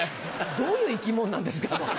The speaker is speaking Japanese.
どういう生き物なんですか？